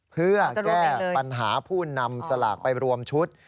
เพื่อแก้ปัญหาผู้นำสลากไปรวมชุด